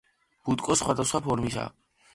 ბუტკო სხვადასხვა ფორმისაა.